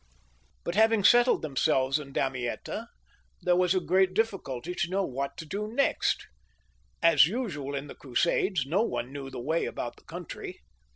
But having settled themselves at Damietta, there was a XIX.] LOUIS IX. {SAINT LOUIS). .117 great difficulty to know what to do next. As usual in the Crusades, no one knew the way about the country.